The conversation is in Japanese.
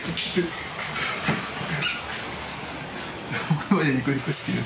僕の前ではニコニコしてる。